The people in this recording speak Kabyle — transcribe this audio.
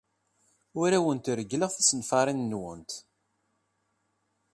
Ur awent-reggleɣ tisenfarin-nwent.